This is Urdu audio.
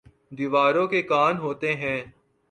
دیواروں کے کان ہوتے ہیں